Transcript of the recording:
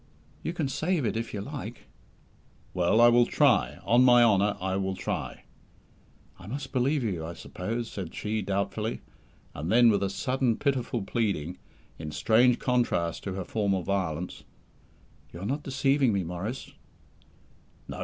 "You can save it if you like." "Well, I will try. On my honour, I will try." "I must believe you, I suppose?" said she doubtfully; and then, with a sudden pitiful pleading, in strange contrast to her former violence, "You are not deceiving me, Maurice?" "No.